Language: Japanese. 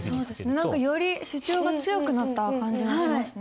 何かより主張が強くなった感じもしますね。